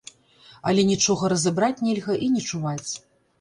Але нічога разабраць нельга і не чуваць.